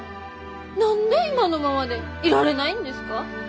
何で今のままでいられないんですか？